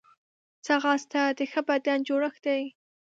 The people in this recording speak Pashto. ځغاسته د ښه بدن جوړښت دی